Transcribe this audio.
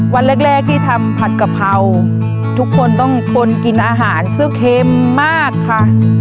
วันแรกแรกที่ทำผัดกะเพราทุกคนต้องทนกินอาหารซึ่งเค็มมากค่ะ